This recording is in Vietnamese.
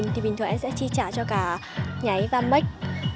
thì bình thường em sẽ chi trả cho cả nháy và mếch